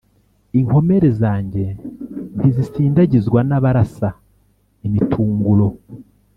Inkomere zanjye ntizisindagizwa n’ abarasa imitunguro.